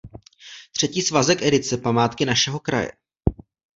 Třetí svazek edice Památky našeho kraje.